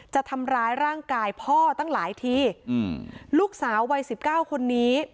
จะทำร้ายร่างกายพ่อตั้งหลายทีอืมลูกสาววัยสิบเก้าคนนี้